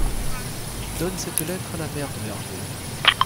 Donne cette lettre à la mère de Herve.